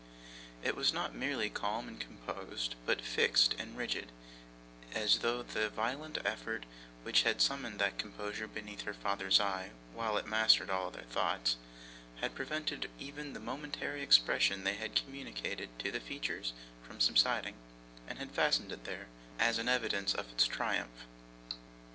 It was not merely calm and composed, but fixed and rigid, as though the violent effort which had summoned that composure beneath her father's eye, while it mastered all other thoughts, had prevented even the momentary expression they had communicated to the features from subsiding, and had fastened it there, as an evidence of its triumph.